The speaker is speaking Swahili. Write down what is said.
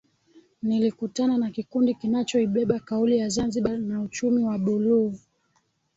Nilikutana na kikundi kinachoibeba kauli ya Zanzibar na uchumi wa buluu